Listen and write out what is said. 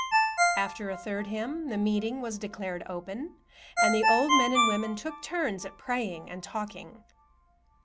After a third hymn, the meeting was declared open, and the old men and women took turns at praying and talking.